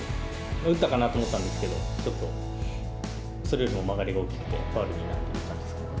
打ったかなと思ったんですけど、ちょっとそれよりも曲がりが大きくて、ファウルになったんですけど。